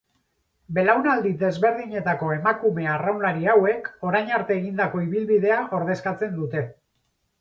Belaunaldi desberdinetako emakume arraunlari hauek, orain arte egindako ibilbidea ordezkatzen dute.